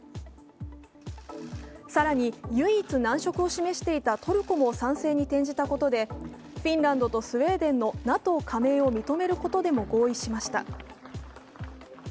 更に、唯一難色を示していたトルコも賛成に転じたことでフィンランドとスウェーデンのＮＡＴＯ加盟を認めることでも合意しました。